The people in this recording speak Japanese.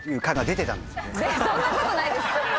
そんなことないです！